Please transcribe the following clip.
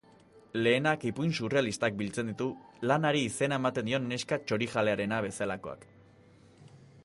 Lehenak ipuin surrealistak biltzen ditu, lanari izena ematen dion neska txorijalearena bezalakoak.